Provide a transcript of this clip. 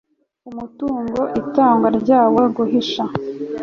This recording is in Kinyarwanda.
umutungo itangwa ryawo guhisha